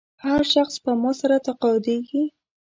هر شخص سپما سره تقاعدېږي.